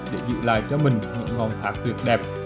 để giữ lại cho mình những ngọn thác tuyệt đẹp